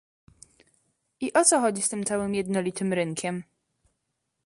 I o co chodzi z tym całym jednolitym rynkiem?